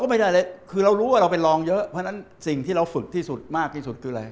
เพราะฉะนั้นสิ่งที่เราฝึกที่สุดมากที่สุดคืออะไร